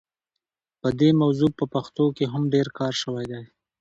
په دې موضوع په پښتو کې هم ډېر کار شوی دی.